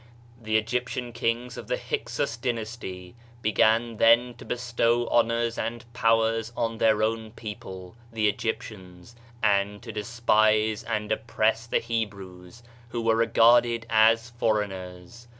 The Egyptian kings of the Hyksos dynasty began then to bestow honors and powers on their own people, the Egyptians, and to despise and oppress the Hebrews, who were re garded as foreigners.